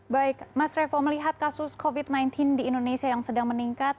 baik mas revo melihat kasus covid sembilan belas di indonesia yang sedang meningkat